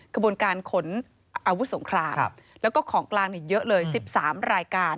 ขบวนการขนอาวุธสงครามแล้วก็ของกลางเยอะเลย๑๓รายการ